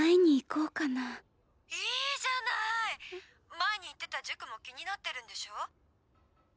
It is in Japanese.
前に言ってた塾も気になってるんでしょ？